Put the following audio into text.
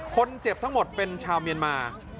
คนเจ็บทั้งหมดเป็นชาวเมียนมา